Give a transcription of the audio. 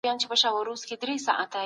سوسیالیزم د انسان آزادي اخلي.